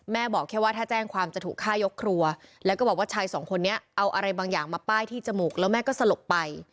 บอกแค่ว่าถ้าแจ้งความจะถูกฆ่ายกครัวแล้วก็บอกว่าชายสองคนนี้เอาอะไรบางอย่างมาป้ายที่จมูกแล้วแม่ก็สลบไป